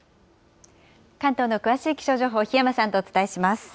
関東の詳しい気象情報、檜山さんとお伝えします。